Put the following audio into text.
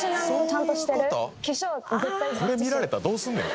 これ見られたらどうすんねん。